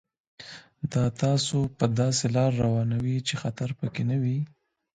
دا تاسو په داسې لار روانوي چې خطر پکې نه وي.